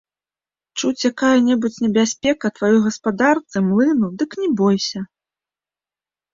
Чуць якая-небудзь небяспека тваёй гаспадарцы, млыну, дык не бойся.